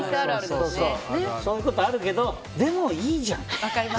そういうことあるけどでも、いいじゃん。